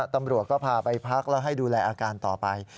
ตำรวจก็พาไปพักแล้วให้ดูแลอาการต่อไป